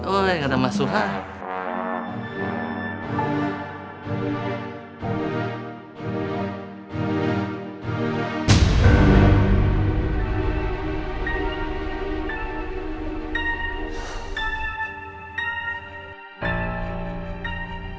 uih nggak ada masuhan